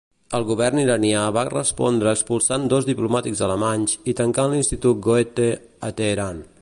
El govern iranià va respondre expulsant dos diplomàtics alemanys i tancant l'Institut Goethe a Teheran.